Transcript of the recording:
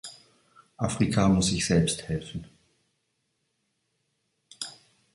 Afrika muss sich selbst helfen.